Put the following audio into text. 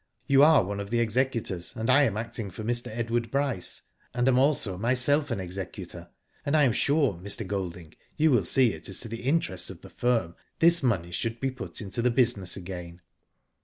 You are one of the executors, and I am acting for Mr. Edward Bryce, and am also myself an executor, and 1 am sure, Mr. Golding, you will see it is to the interests of the firm this money should be put into the business again.